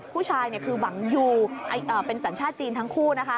ผู้ชายคือหวังอยู่เป็นสัญชาติจีนทั้งคู่